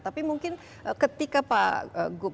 tapi mungkin ketika pak gup